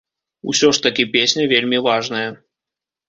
Усё ж такі песня вельмі важная.